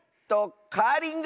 カーリング！